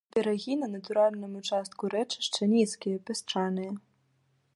Берагі на натуральным участку рэчышча нізкія, пясчаныя.